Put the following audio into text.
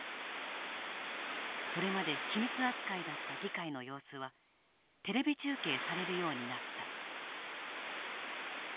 それまで機密扱いだった議会の様子はテレビ中継されるようになった。